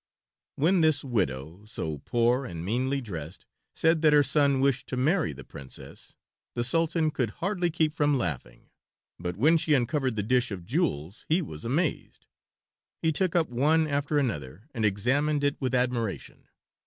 When this widow, so poor and meanly dressed, said that her son wished to marry the Princess the Sultan could hardly keep from laughing; but when she uncovered the dish of jewels he was amazed. He took up one after another and examined it with admiration.